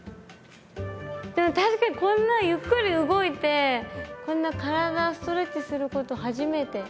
でも確かにこんなゆっくり動いてこんな体ストレッチすること初めて。